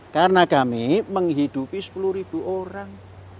karena kami menghidupi sepuluh orang